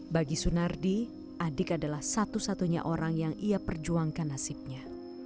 bagi sunardi adik adalah satu satunya orang yang ia perjuangkan nasibnya